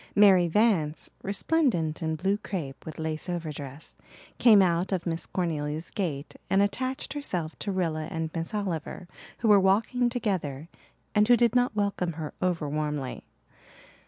Mary Vance, resplendent in blue crepe, with lace overdress, came out of Miss Cornelia's gate and attached herself to Rilla and Miss Oliver who were walking together and who did not welcome her over warmly.